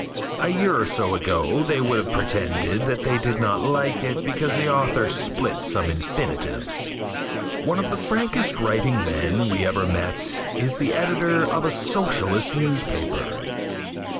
A year or so ago they would have pretended that they did not like it because the author split some infinitives. One of the frankest writing men we ever met is the editor of a Socialist newspaper.